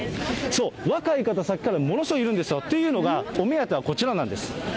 若い方、さっきからものすごいいるんですよ。というのが、お目当てがこちらなんです。